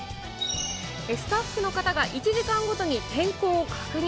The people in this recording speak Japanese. スタッフの方が１時間ごとに天候を確認。